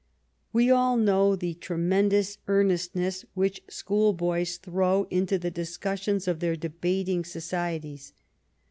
We all know the tremendous earnest ness which schoolboys throw into the discussions of their debating societies.